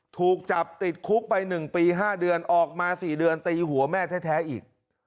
ถูกจับติดคุกไป๑ปี๕เดือนออกมา๔เดือนตีหัวแม่แท้อีก